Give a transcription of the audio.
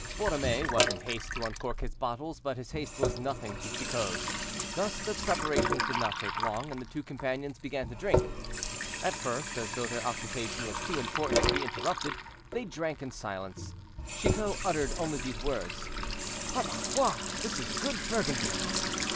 Borromée was in haste to uncork his bottles, but his haste was nothing to Chicot's; thus the preparations did not take long, and the two companions began to drink. At first, as though their occupation was too important to be interrupted, they drank in silence. Chicot uttered only these words: "Par ma foi! this is good Burgundy."